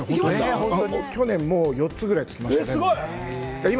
去年も４つぐらい実がつきました。